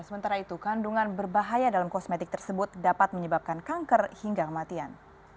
sementara itu kandungan berbahaya dalam kosmetik tersebut dapat menyebabkan kanker hingga kematian